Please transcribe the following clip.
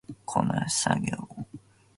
こなし作業